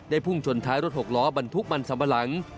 ได้พุ่งชนท้ายรถหกล้อบรรทุกมันสำบลัง